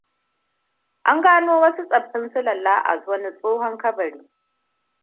An gano wasu tsaffin silalla a wani tsohon kabari.